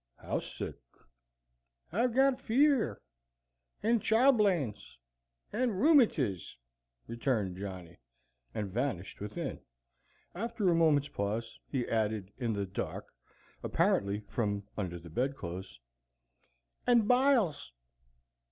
"How sick!" "I've got a fevier. And childblains. And roomatiz," returned Johnny, and vanished within. After a moment's pause, he added in the dark, apparently from under the bedclothes, "And biles!"